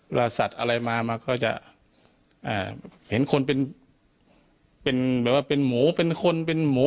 สัตว์อะไรมามาก็จะเห็นคนเป็นแบบว่าเป็นหมูเป็นคนเป็นหมู